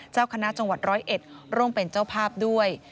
เจ้าคณะจังหวัด๑๐๑ร่วมเป็นเจ้าภาพด้วย